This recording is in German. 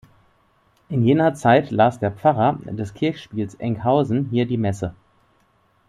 In jener Zeit las der Pfarrer des Kirchspiels Enkhausen hier die Messe.